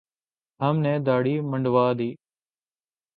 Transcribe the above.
ہم نے دھاڑی منڈوادی